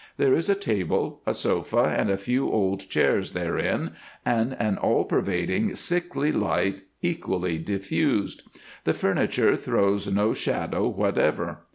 There is a table, a sofa, and a few old chairs therein, and an all pervading sickly light equally diffused. The furniture throws no shadows whatever.